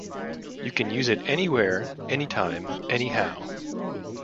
You can use it anywhere, anytime, anyhow.